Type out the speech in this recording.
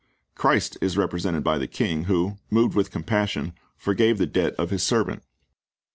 Christ is represented by the king, who, moved with compassion, forgave the debt of his servant.